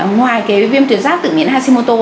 ngoài cái viêm tuyến giáp tự miễn hashimoto